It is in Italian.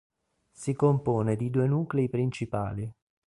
Si compone di due nuclei principali.